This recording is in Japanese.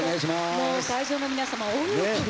もう会場の皆様大喜び。